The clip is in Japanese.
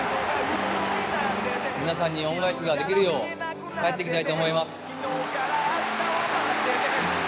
皆さんに恩返しができるよう帰ってきたいと思います。